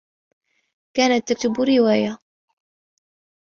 كانت تكتب رواية.